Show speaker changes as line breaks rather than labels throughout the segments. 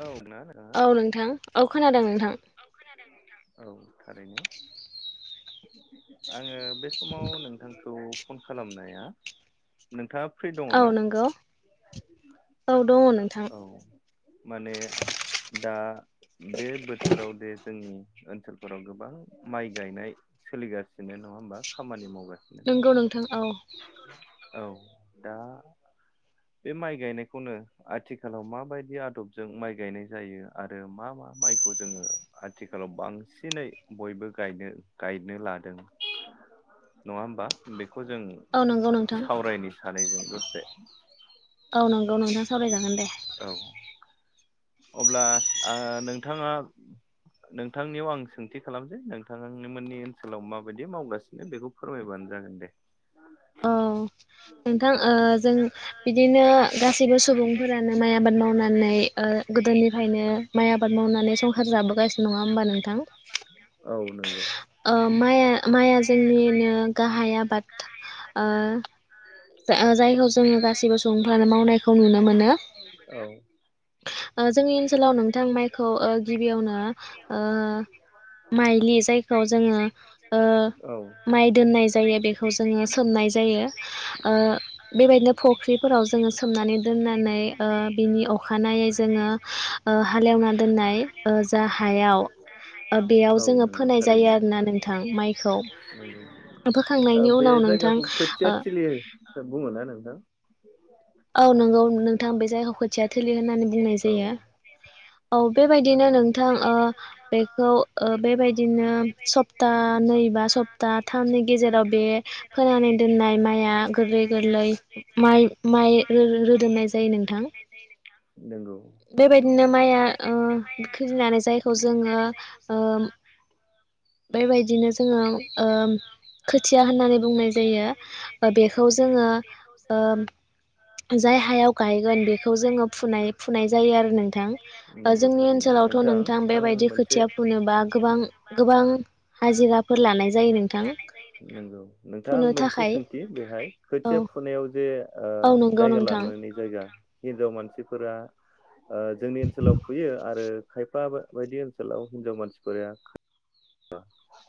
औ ना नोंथाङा
औ नोंथां औ खोनादों नोंथां।
औ थारैनो। आङो बे समाव नोंथांखौ फन खालामनाया, नोंथाङा फ्रि दङ
औ
ना
नंगौ, औ दङ नोंथां।
औ माने दा बे बोथोराव दे जोंनि ओनसोलफोराव गोबां माइ गायनाय सोलिगासिनो नङा होमबा खामानि मावगा
नंगौ नोंथां औ।
औ दा बे माइ गायनायखौनो आथिखालाव माबायदि आदबजों माइ गायनाय जायो आरो मा मा माइखौ जोङो आथिखालाव बांसिनै बयबो गायनो गायनो लादों नङा होमबा, बेखौ जों
औ नंगौ नोंथां
सावरायनो सानै जों दसे।
औ नंगौ नोंथां सावरायजागोन दे।
औ अब्ला ओ नोंथाङा नोंथांनियाव आं सोंथि खालामसै। नोंथां मोननि ओनसोलाव माबायदि मावगासिनो बेखौ फोरमायबानो जागोन दे।
औ, नोंथां ओ जों बिदिनो गासैबो सुबुंफोरानो माइ आबाद मावनानै ओ गोदोनिफ्रायनो माइ आबाद मावनानै संसार जाबोगासिनो नङा होमबा नोंथां।
औ नंगौ।
ओ माइ माइआ जोंनिनो गाहाय आबाद। ओ जायखौ जोङो गासिबो सुबुंफ्रानो मावनायखौ नुनो मोनो।
औ
ओ जोंनि ओनसोलाव नोंथां माइखौ गिबियावनो माइलि जायखौ खौ जोङो ओ
औ
माइ दोननाय जायो बेखौ जोङो सोमनाय जायो। ओ बेबायदिनो फख्रिफोराव जोङो सोमनानै दोननानै ओ बिनि अखानायै जोङो ओ हालेवना दोननाय जा हायाव ओ
औ
बेयाव जोङो
नंगौ
फोनाय
थारैनो।
जायो आरो ना नोंथां माइखौ।
ओ
फोखांनायनि
बे
उनाव नोंथां
जायगाखौ खोथिया
ओ
थिलि बुङोना नोंथां?
औ नंगौ नोंथां बे जायखौ खोथिया थोलि होननानै बुंनाय
औ
जायो। औ बेबायदिनो नोंथां ओ बेखौ ओ बेबायदिनो सप्तानै बा सप्ताथामनि गेजेराव बे फोनानै दोननाय माइआ गोरलै गोरलै माइ माइ रो-रो-रोदोमनाय जायो नोंथां।
नंगौ।
बेबायदिनो माइआ ओ खिलिनानै जायखौ जोङो ओ
[unintelligible]
बेबायदिनो जोङो ओ खोथिया होननानै बुंनाय जायो। बेखौ जोङो ओ जाय हायाव गायगोन बेखौ जोङो फुनाय फुनाय जायो आरो नोंथां। ओ
नंगौ
जों नि
थारैनो
ओनसोलावथ' नोंथां
आं
बेबायदि
मोनसे
खोथिया फुनोबा गोबां गोबां हाजिराफोर लानाय जायो नोंथां
[unintelligible] नंगौ, नोंथां
फुनो
मोनसे
थाखाय
सोंथि बेहाय
औ
खोथिया फुनायाव जे ओ
औ नंगौ
जायगा
नोंथां
लानानै जायगा हिन्जाव मानसिफोरा ओ जोंनि ओनसोलाव फुयो आरो खायफा बायदि ओनसोलाव हिनजाव मानसिफोरा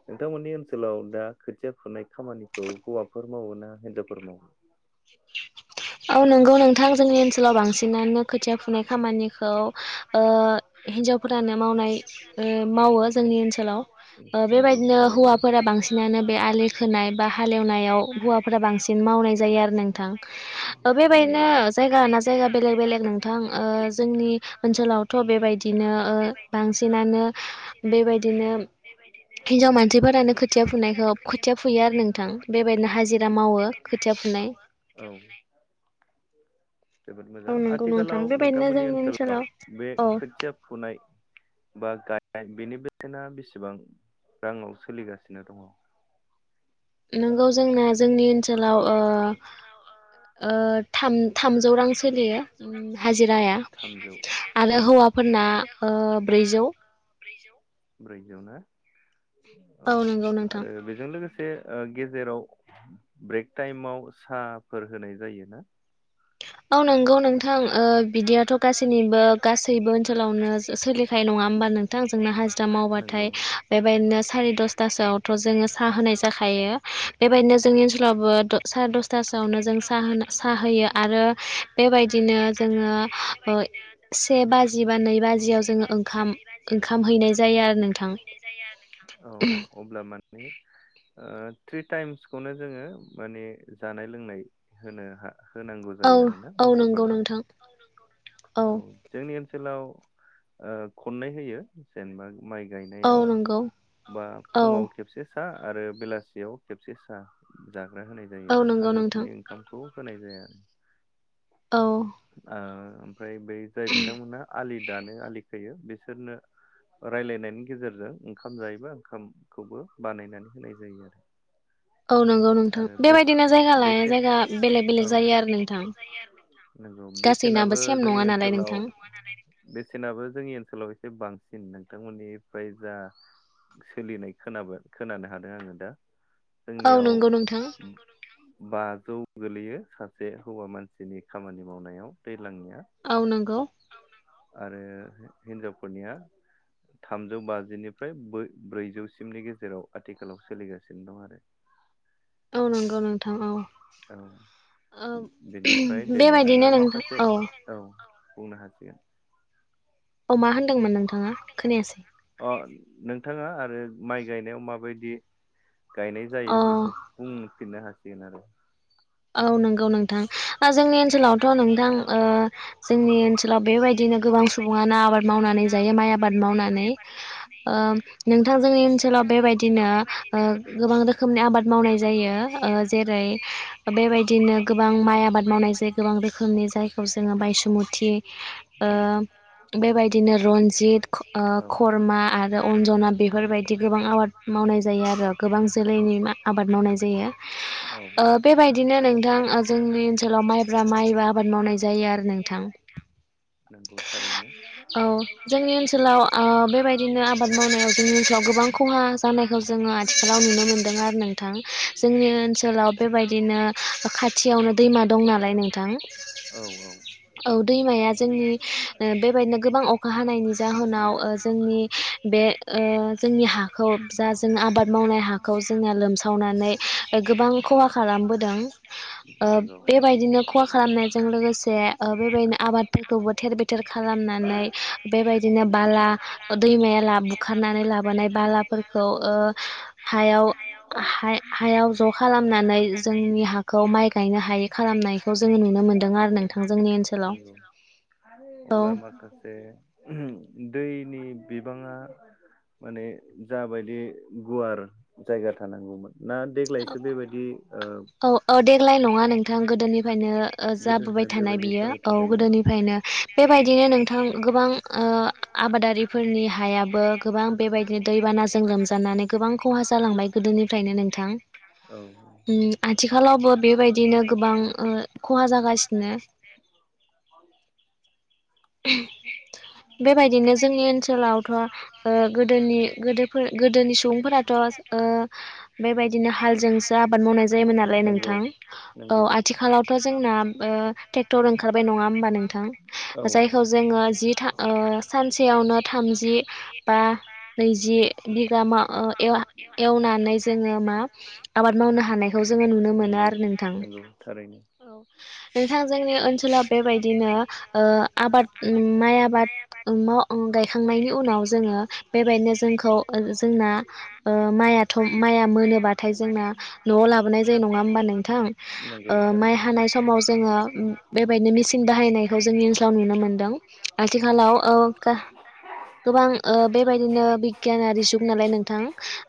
नोंथांमोननि ओनसोलाव दा खोथिया फुनाय खामानिखौ हौवाफोर मावो ना हिनजावफोर मावो?
औ नंगौ नोंथां जोंनि ओनसो लाव बांसिनानो खोथिया फुनाय खामानिखौ ओ हिन्जावफोरानो मावनाय ओ मावो जोंनि ओनसोलाव
नंगौ
बेबायदिनो
थारैनो
हौवाफोरा बांसिनानो बे आलि खोनाय बा
बे आलि खोनाय
हालेवनायाव
बा
हौवाफोरा
हालेवनायाव
बांसिन मावनाय जायो आरो नोंथां।
होनाय जायो आरो
ओ
नोंथां।
बेबायदिनो
नंगौ
जायगा लाना जायगा बेलेग बेलेग नोंथां ओ जोंनि ओनसोलावथ' बेबायदिनो ओ बांसिना
ओ बांसिनानो बेबायदिनो हिनजाव
मानसिफोरानो
मासिफोरानो
फुनायखौ
खोथिया
फुयो आरो
फुनाय
नोंथां बेबायदिनो हाजिरा मावो खोथिया फुनाय।
औ। जोबोद मोजां
औ नंगौ नोंथां
आथिखालाव
बेबायदिनो
नोंथांमोननि
जोंनि
ओनसोलाव बे
औ
खोथिया फुनाय बा गायनाय बेनि बेसेना बेसेबां राङाव सोलिगासिनो दङ'?
नोंगौ जोंना जोंनि ओनसोलाव ओ ओ थाम-थामजौ रां सोलियो। हाजिराया
थामजौ
आरो
नंगौ
हौवाफोरना ओ ब्रैजौ।
ब्रैजौ। ब्रैजौ ना? औ
नंगौ नोंथां
आरो बेजों लोगोसे से गेजेराव ब्रेक टाइमाव साहाफोर होनाय जायो ना?
औ नंगौ नोंथां ओ बिदियाथ' गासैनिबो गासैबो ओनसोलावनो सो-सोलिखानाय नङा होमबा? नोंथां जोंना हाजिरा
नंगौ
मावबाथाय बेबायदिनो सारि दसथासोआवथ' जोङो साहा होनाय जाखायो। बेबायदिनो जोंनि ओनसोलावबो द सारि दसथासोआवनो जों सा-साहा होयो आरो बेबायदिनो जोङो ओ से बाजि बा नै बाजियाव जोङो ओंखाम
बाजियाव जोङो
हैनाय
ओंखाम
जायो आरो नोंथां
ओंखाम हैनाय जायो आरो नोंथां। औ अब्ला मान्थनि ओ थ्रि टाइमसखौनो जोङो माने जानाय लोंनाय होनो हा होनांगौ
औ
जायो आरोना
औ नंगौ
मावग्राफोरनो? औ
नोंथां
औ नंगौ नोंथां। औ जोंनि ओन सोलाव ओ खननै होयो जेनेबा माइ
औ
गायनायाव
नंगौ
बा
औ
फुङाव खेबसे सा आरो बेलासियाव खेबसे सा जाग्रा होनाय
औ
जायो आरो
नंगौ नोंथां
सानजौफुनि ओंखामखौ होनाय जाया।
औ।
ओ ओमफ्राय बै जाय बिथांमोनहा आलि दानो आलि खोयो बिसोरनो रायलायनायनि गेजेरजों ओंखाम जायोबा ओंखामखौबो बानायनानै होनाय जायो आरो। [inaudible]
औ नंगौ नोंथां
आरो बे
बेबायदिनो जायगा लायै
बेसेन
जायगा बेलेग बेलेग
औ
जायो आरो नोंथां
नंगौ
गासैनाबो
बेसेनाबो
सेम
जोंनि
नङा नालाय
ओनसोलाव
नोंथां
बेसेनाबो जोंनि ओनसोलाव एसे बां सिन नोंथांमोननिफ्राय जा सोलिनाय खोनाबाय खोनानो हादों आङो दा
औ
जोंनियाव
नंगौ नोंथां
बाजौ गोलैयो सासे हौवा मानसिनि खामानि मावनायाव बे
औ नंगौ
आरो हिनजावफोरनिया थामजौ बाजिनिफ्राय बो ब्रैजौसिमनि गेजेराव आथिखालाव सोलिगासिनो दं आरो
औ नंगौ नोंथां औ
औ
ओ
बेनिफ्राय दे
बेबायदिनो
नोंथाङा
नोंथां
माखासे
औ
औ बुंनो हासिगोन
औ मा होनदोंमोन नोंथाङा खोनायासै
अ नोंथाङा आरो माइ गायनायाव माबायदि गायनाय
अ
जायो बेखौ बुंफिननो हासि गोन आरो
औ नंगौ नों थां ओ जोंनि ओनसोलावथ नोंथां ओ जोंनि ओनसोलाव बेबायदिनो गोबां सुबुङानो आबाद मावनानै जायो माइ आबाद मावनानै ओ नोंथां जोंनि ओनसोलाव बेबायदिनो ओ गोबां रोखोमनि आबाद मावनाय जायो ओ जेरै बेबायदि गोबां माइ आबाद मावनाय जायो गोबां रोखोमनि जायखौ जोङो बायसुमुथि ओ
उम
बेबायदिनो रन्जित ख ओ
औ
खर्मा आरो अन्जना बेफोरबायदि गोबां आबाद माव नाय जायो आरो गोबां जोलैनि आबाद मावनाय जायो ओ बेबायदिनो नोंथां ओ जोंनि ओनसोलाव माइब्रा माइबो आबाद मावनाय जायो आरो नोंथां
नंगौ थारैनो
औ जोंनि ओनसोलाव ओ बेबायदिनो आबाद मावनायाव जोंनि ओनसोलाव गोबां खहा जानायखौ जोङो आथिखालाव नुनो मोनदों आरो नोंथां जोंनि ओनसोलाव बेबायदिनो ओ खाथि
औ
औ दैमाया जोंनि ओ
औ
बेबायदिनो गोबां अखा हानायनि जाहोनाव ओ जोंनि बे ओ जोंनि हाखौ जा जों आबाद मावनाय हाखौ जोंना लोमसावनानै ओ गोबां खहा खालामबोदों ओ
नंगौ
बेबायदिनो खहा खालामनायजों लोगोसे ओ बेबायदिनो आबादफोरखौबो थेर बेथेर खालामना नै बेबायदिनो बाला ओ दैमाया ला बुखारनानै लाबोनाय बालाफोरखौ ओ हायाव हाय-हायाव ज खालामनानै जोंनि हाखौ खौ माइ गायनो हायै खालामनायखौ जोङो नुनो मोनदों आरो नोंथां जोंनि ओनसोलाव
नंगौ
औ
अब्ला माखासे दैनि बिबाङा माने जाबायदि गुवार जायगा थानांगौमोन ना देग्लायसो बेबायदि ओ
औ ओ देग देग्लाय नङा नोंथां गोदोनिफ्रायनो ओ जाबोबाय
गोदोनिफ्राय
थानाय
बेबायदि
बियो
जाबाय
औ
थादोंना
गोदोनिफ्रायनो बेबायदिनो नोंथां गोबां ओ आबादारिफोरनि हायाबो गोबां बेबायदिनो दैबानाजों लोम
[unintelligible]
ओम आथिखालावबो बेबायदिनो गोबां ओ खहा जागासिनो
[inaudible]
बेबायदिनो जोंनि ओनसोलावथ ओ गोदोनि गोदोफोर गोदोनि सुबुंफोराथ ओ बेबायदिनो हालजोंसो आबाद मावनाय जायोमोन ना लाय नोंथां औ
नंगौ।
आथिखालावथ जोंना ओ ट्रेक्टर ओंखारबाय नङा होमबा नोंथां
औ
जायखौ जोङो जि था ओ सानसेयावनो थामजि बा नैजि बिगा मा ओ ए आ एवनानै जोङो मा आबाद मावनो हानायखौ जोङो नुनो मोनो
नंगौ
आरो नोंथां
नंगौ थारैनो
औ नोंथां जोंनि ओनसोलाव बेबायदिनो ओ आबाद ओम माइ आबाद ओम न ओम गायखांनायनि उनाव जोङो बेबायदिनो जोंखौ जोंना ओम मायाथ माया मोनाथाय जोंना नआव लाबोनाय जायो ना नोंथां।
नंगौ
ओ माइ
थारैनो
हानाय समाव जोङो बेबायदिनो मेचिन बाहायनायखौ जोंनि ओनसोल नुनो मोनदों आथिखालाव औ गोबां ओ बेबायदिनो बिगियानारि जुग नालाय नोंथां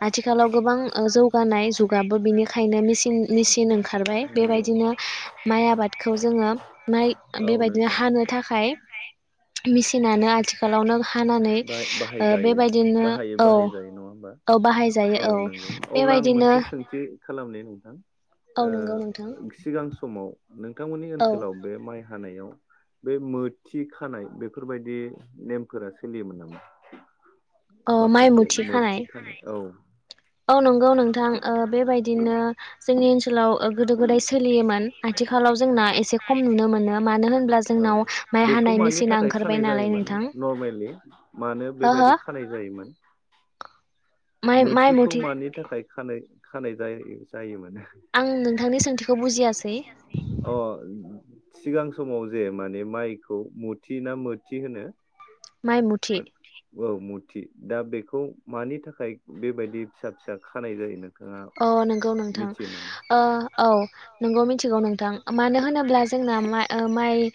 आथिखालाव गोबां ओ जौगा नाय जुगाबो बिनिखायनो मेसिन मिसिन ओंखारबाय
नंगौ
बेबायदिनो माइ आबादखौ जोङो माइ
औ
बेबायदिनो
नोंथां
हानो थाखाय मेसिनानो आथिखालावनो हानानै ओ
बाहायजायो
बेबायदिनो
गाहायै
औ
बाहायजायो नङा होमबा
औ बाहायजायो औ बेबायदिनो
खालामनाय नोंथां
औ नंगौ नोंथां
ओ सिगां समाव नोंथांमोननि
औ
ओनसोलाव बे माइ हानायाव बे मोथि खानाय बेफोरबायदि नेमफोरा सोलियोमोन नामा?
औ माइ
माखासे
मुथि खानाय
मोथिखानाय औ
औ नंगौ नोंथां ओ बेबायदिनो जोंनि ओनसो सोलाव ओ गोदो गोदाय सोलियोमोन आथिखालाव जोंना एसे खम नुनो मोनो मानो होनब्ला
औ
जोंनाव माइ
बेखौ
हानाय
मानि
मेसिना
थाखाय
ओंखारबाय
खानाय
नालाय
जायोमोन
नोंथां
नर्मेलि मानो
हो हो
बेबायदि खानाय जायोमोन
माइ माइ
मोथिखौ
मुथि
मानि थाखाय खानाय खानाय जायोमोन
आं नोंथांनि सोंथिखौ बुजियासै
अ सिगां समाव जे माने माइखौ मुथि ना मोथि होनो
माइ मुथि
औ मुथि दा बेखौ मानि थाखाय बेबायदि फिसा फिसा खानाय जायोना
अ नोंगौ नोंथां ओ औ नोंगौ मिथि गौ नोंथां मानो होनोब्ला जोंना माइ ओ माइ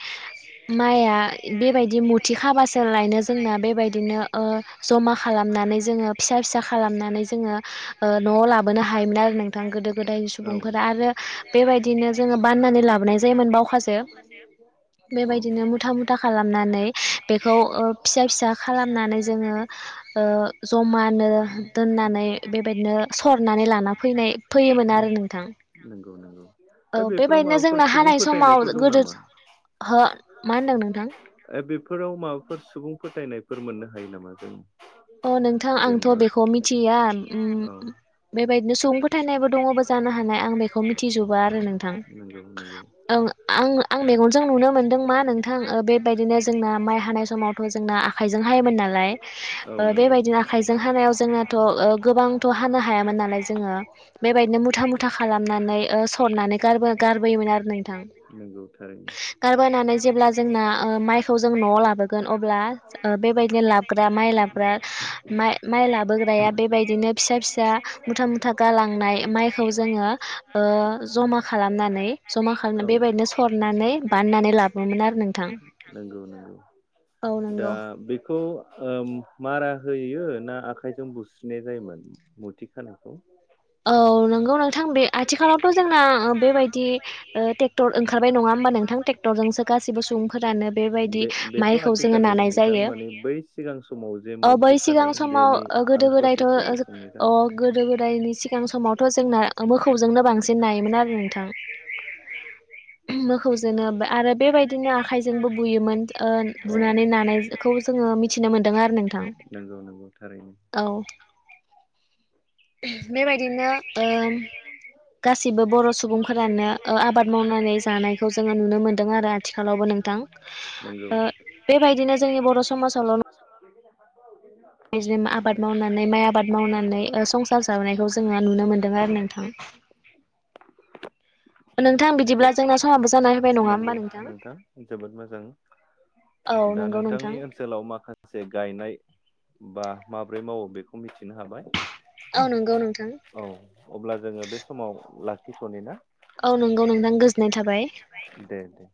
माइआ बेबायदि मु थि खाबासो लायनो जोंना बेबायदिनो ओ जमा खालामनानै जोङो फिसा फिसा खालामनानै जोङ ओ न'आव लाबोनो हायोमोन आरो नोंथां गोदो गोदायनि
औ
सुबुंफोरा आरो बेबायदिनो जों बानानै लाबोनाय जायोमोन बावखासो
औ
बेबायदिनो मुथा मुथा खालामनानै बेखौ ओ फिसा फिसा खालामनानै जोङो ओ जमानो दोननानै बेबायदिनो सरनानै लाना फैनाय फैयोमोन आरो नोंथां
नंगौ
औ
दा बेफोराव
बेबायदिनो
माबाफोर
जोंनो
सुबुं
हानाय समाव
फोथायनायफोर दं
गोदो
नामा
हो मा होनदों नोंथां?
बेफोराव माबाफोर सुबुं फोथायनायफोर मोननो हायो नामा जों?
अ नोंथां आंथ'
जेनेबा
बेखौ मिथिया उम
औ
बे बेबायदिनो सुबुं फोथायनायबो दङबो जानो हानाय आं बेखौ मिथिजोबा आरो नोंथां
नंगौ नंगौ
ओं आं आं मेगनजों नुनो मोन्दों मा नोंथां बेबायदिनो जोंना माइ हानाय समावथ' जोंना आखाइजों हा योमोन नालाय बेबायदिनो आखायजों हानायाव जोंनाथ' गोबांथ' हानो हायामोन नालाय जो ङो बेबायदिनो मुथा मुथा खालामनानै ओ सरनानै गारबो गारबोयोमोन आरो नोंथां
नंगौ थारैनो
गारबायायनानै जेब्ला जोंना ओ माइखौ जों न'आव लाबोगोन अब्ला बेबायदिनो लाबोग्रा माइ लाबग्रा माइ लाबोग्राया बेबायदिनो फिसा फिसा मुथा मुथा गालांनाय माइखौ जोङो ओ जमा खालामनानै जमा खालाम बे बेनो सरनानै बनानै लाबोमोन आरो नोंथां
नंगौ नंगौ
औ
दा
नंगौ
बेखौ ओ मारा होयो ना आखाइजों बुस्रिनाय जायोमोन मुथि खानायखौ
औ नंगौ नोंथां बे आथिखालावथ' जोंना बेबायदि ओ ट्रेक्टर ओंखारबाय नङा होमबा नोंथां ट्रेक्टरजोंसो गासिबो सुबुंफोरानो बेबायदि
बे बेथ'
माइखौ जोङो
आथिखालनि
नानाय
नोंथां
जायो
माने बै सिगां समाव जे
अ बै
मुथि
सिगां
खादों
समाव
बेनि
ओ
आं
गोदो गोदायथ'
प्रसेसखौसो
अ गोदो गोदायनि
[unintelligible] [unintelligible] औ [unintelligible]
सिगां समावथ'
मिथिनो
जोंना
मोनो
मोखौजोंनो बांसिन नायोमोन आरो नोंथां मोखौजोंनो
आरो
बेबायदिनो आखाइजोंबो बुयोमोन ओ
नोंथां
बुनानै नानायखौ जोङो मिथिनो मोन्दों आरो नोंथां
नंगौ नंगौ थारैनो।
औ।
[unintelligible]
बेबायदिनो ओ गासिबो बर' सुबुंफोरानो ओ आबाद मावनानै जानायखौ जोङो नुनो मोनदों आरो आथिखालावबो नोंथां
नंगौ
ओ बेबायदिनो जोंनि बर' समाजावल' बिदिनो आबाद मावनानै माइ आबाद मावनानै संसार जा जानायखौ जोङो नुनो मोनदों आरो नोंथां।
[unintelligible] नोंथां
जोंना
बिदिब्ला
समाबो
जोंहा
जाना फैबाय नङा
समाबो
होमबा नोंथां
जाबाय जोबोद मोजां।
औ
दा
नंगौ नोंथां
नोंथांनि ओनसोलाव माखासे गायनाय बा माब्रै मावो बेखौ मिथिनो हाबाय।
औ नंगौ नोंथां
औ अब्ला जोङो बे समाव लाखिथनि ना।
औ नंगौ नोंथां गोजोननाय थाबाय।
दे दे